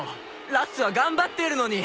ラッツは頑張ってるのに」